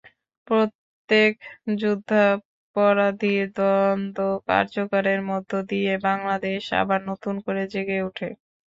প্রত্যেক যুদ্ধাপরাধীর দণ্ড কার্যকরের মধ্য দিয়ে বাংলাদেশ আবার নতুন করে জেগে ওঠে।